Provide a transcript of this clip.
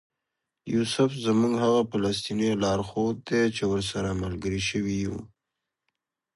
یوسف زموږ هغه فلسطینی لارښود دی چې ورسره ملګري شوي یو.